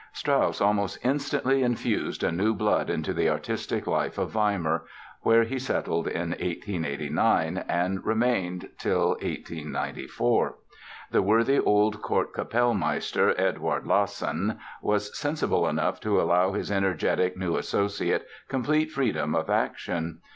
Strauss almost instantly infused a new blood into the artistic life of Weimar, where he settled in 1889 and remained till 1894. The worthy old court Kapellmeister, Eduard Lassen, was sensible enough to allow his energetic new associate complete freedom of action.